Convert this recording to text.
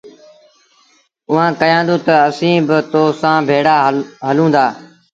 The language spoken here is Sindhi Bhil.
اُئآݩٚ ڪهيآندونٚ تا، ”اسيٚݩٚ با تو سآݩٚ ڀيڙآ هلونٚ دآ۔